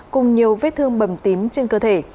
cùng nhiều vết thương bầm tím trên cơ thể